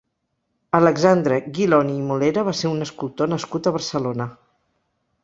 Alexandre Ghilloni i Molera va ser un escultor nascut a Barcelona.